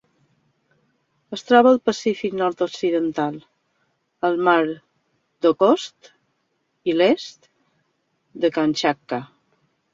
Es troba al Pacífic nord-occidental: el mar d'Okhotsk i l'est de Kamtxatka.